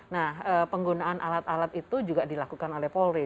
nah penggunaan alat alat itu juga dilakukan oleh polri